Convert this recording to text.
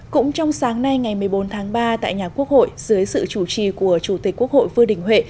cũng trong sáng nay ngày một mươi bốn tháng ba tại nhà quốc hội dưới sự chủ trì của chủ tịch quốc hội vương đình huệ